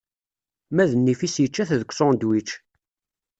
Ma d nnif-is yečča-t deg usandwič.